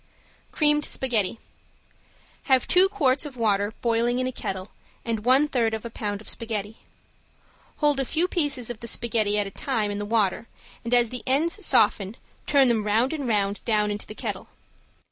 ~CREAMED SPAGHETTI~ Have two quarts of water boiling in a kettle and one third of a pound of spaghetti. Hold a few pieces of the spaghetti at a time in the water and as the ends soften turn them round and round and down into the kettle.